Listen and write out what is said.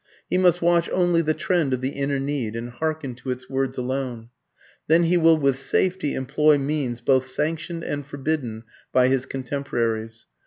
He must watch only the trend of the inner need, and hearken to its words alone. Then he will with safety employ means both sanctioned and forbidden by his contemporaries.